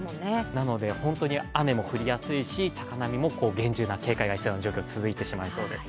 なので本当に雨も降りやすいし高波も厳重な警戒が必要な状況が続いてしまいそうです。